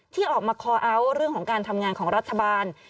ที่ออกมาคอเอาท์เรื่องของการทำงานของรัฐบาล